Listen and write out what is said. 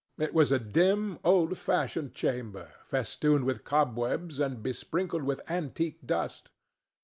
It was a dim, old fashioned chamber festooned with cobwebs and besprinkled with antique dust.